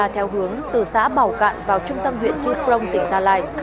theo hướng từ xã bảo cạn vào trung tâm huyện trích rông tỉnh gia lai